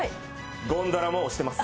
ゴンドラも押してます。